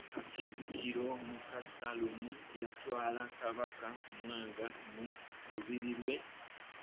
Katikkiro Mukasa lumu yatwala Kabaka Mwanga mu lubiri lwe.